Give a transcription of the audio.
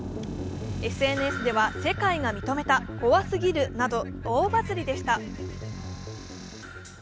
ＳＮＳでは世界が認めた、怖すぎるなど大バズりでした。